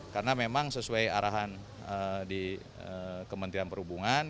karena memang sesuai arahan di kementerian perhubungan